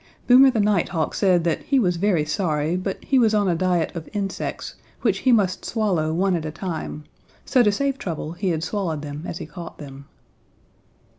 Boomer the Nighthawk said that he was very sorry, but he was on a diet of insects, which he must swallow one at a time, so to save trouble he had swallowed them as he caught them.